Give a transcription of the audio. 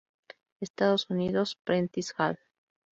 Estados Unidos: Prentice-Hall.